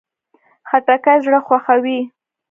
خټکی زړه خوښوي.